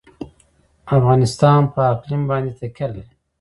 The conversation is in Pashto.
افغانستان په اقلیم باندې تکیه لري.